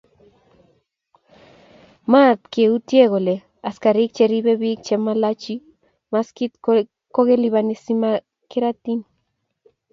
mat kee utie kole askarik cheripe bik che malachi maskit ko kelipani simakiratin